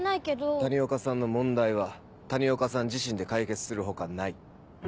谷岡さんの問題は谷岡さん自身で解決する他ない。